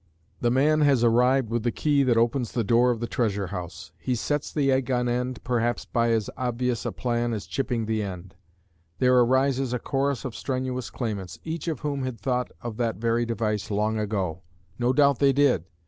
The man has arrived with the key that opens the door of the treasure house. He sets the egg on end perhaps by as obvious a plan as chipping the end. There arises a chorus of strenuous claimants, each of whom had thought of that very device long ago. No doubt they did.